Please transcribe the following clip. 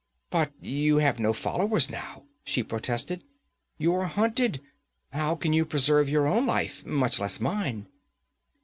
'But you have no followers now!' she protested. 'You are hunted! How can you preserve your own life, much less mine?'